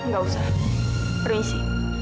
gak usah permisi